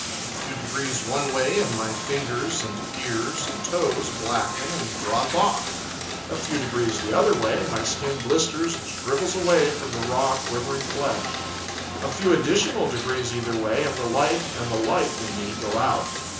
A few degrees one way, and my fingers and ears and toes blacken and drop off. A few degrees the other way, and my skin blisters and shrivels away from the raw, quivering flesh. A few additional degrees either way, and the life and the light in me go out.